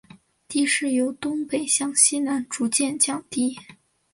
地势由东北向西南逐渐降低。